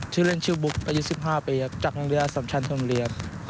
ชื่อเล่นชื่อบุฎประยุทธ์๑๕ปีจากโรงเรียสทรัพย์ชนธรรมดิเยาว์